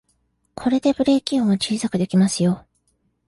これでブレーキ音を小さくできますよ